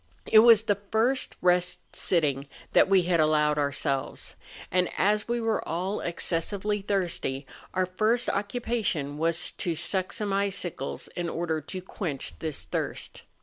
It was the first rest sitting that we had allowed ourselves ; and as we were all excessively thirsty our first occupation was to suck some icicles in order to quench this thirst.